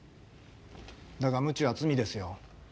だが無知は罪ですよ。